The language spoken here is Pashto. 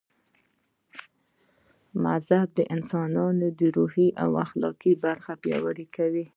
مذهب د انسان روحاني او اخلاقي برخه پياوړي کوي